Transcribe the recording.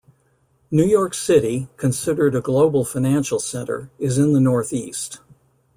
New York City, considered a global financial center, is in the Northeast.